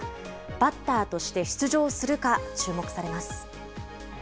バッターとして出場するか、注目されます。